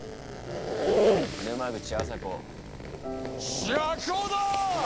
沼口麻子釈放だ！